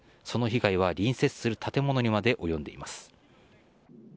その被害は隣接する建物にまで及んでいます。